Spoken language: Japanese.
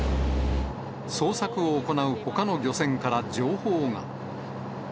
捜索を行うほかの漁船から情報が。